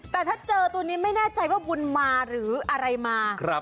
แต่ถ้าเจอตัวนี้ไม่แน่ใจว่าบุญมาหรืออะไรมา